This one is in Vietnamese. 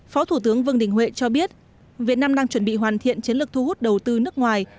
phó thủ tướng vương đình huệ cho biết việt nam đang chuẩn bị hoàn thiện chiến lược thu hút đầu tư nước ngoài